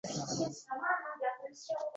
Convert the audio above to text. U boʻyicha alohida buyruq qilamiz.